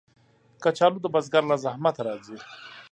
کچالو د بزګر له زحمته راځي